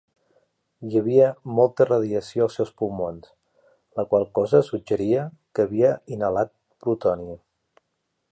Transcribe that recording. Hi havia molta radiació als seus pulmons, la qual cosa suggeria que havia inhalat plutoni.